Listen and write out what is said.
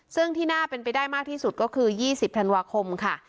ซึ่งที่น่าเป็นไปได้มากที่สุดก็คือ๒๐ธันวาคมค่ะ